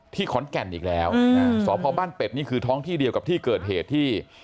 ขอนแก่นอีกแล้วสพบ้านเป็ดนี่คือท้องที่เดียวกับที่เกิดเหตุที่